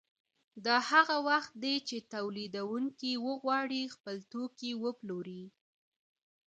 دا هغه وخت دی چې تولیدونکي وغواړي خپل توکي وپلوري